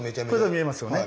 見えますよね。